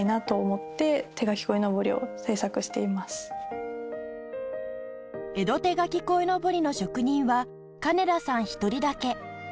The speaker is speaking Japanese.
金田さんの江戸手描き鯉のぼりの職人は金田さん１人だけ